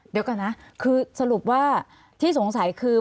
เดี๋ยวก่อนนะคือสรุปว่าที่สงสัยคือ